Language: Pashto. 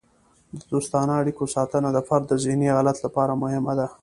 د دوستانه اړیکو ساتنه د فرد د ذهني حالت لپاره مهمه ده.